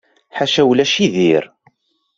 Ḥaca ulac i dir.